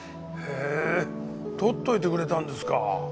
へえ取っといてくれたんですか。